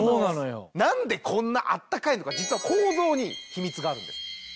何でこんな暖かいのか実は構造に秘密があるんです。